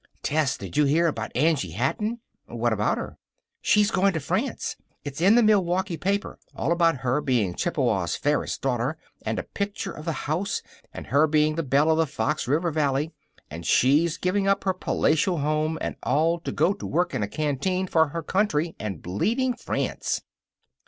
"Tess, did you hear about Angie Hatton?" "What about her?" "She's going to France. It's in the Milwaukee paper, all about her being Chippewa's fairest daughter, and a picture of the house, and her being the belle of the Fox River Valley, and she's giving up her palatial home and all to go to work in a canteen for her country and bleeding France."